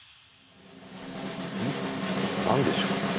何でしょう？